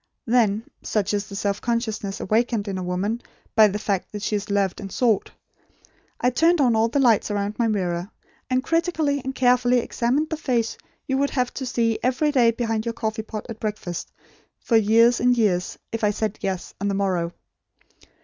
Then such is the self consciousness awakened in a woman by the fact that she is loved and sought I turned on all the lights around my mirror, and critically and carefully examined the face you would have to see every day behind your coffee pot at breakfast, for years and years, if I said 'Yes,' on the morrow.